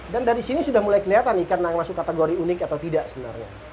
dan dari sini sudah mulai kelihatan ikan yang masuk kategori unik atau tidak sebenarnya